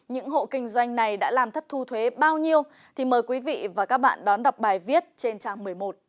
những hộ kinh doanh này đã làm thất thu thuế bao nhiêu thì mời quý vị và các bạn đón đọc bài viết trên trang một mươi một